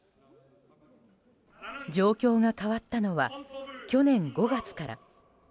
状況が変わったのは去年５月から。